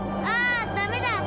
あダメだ！